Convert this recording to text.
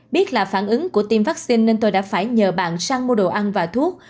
biết là phản ứng của tiêm vaccine nên tôi đã phải nhờ bạn sang mua đồ ăn và thuốc